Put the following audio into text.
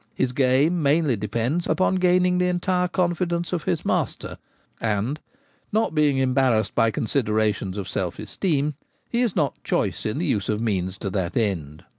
His game mainly depends upon gaining the entire confidence of his master; and, not being embarrassed by considera tions of self esteem, he is not choice in the use of means to that end.